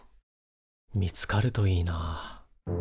見つかるといいな。